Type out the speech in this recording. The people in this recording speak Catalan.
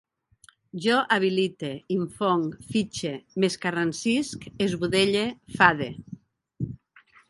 Jo habilite, infonc, fitxe, m'escarransisc, esbudelle, fade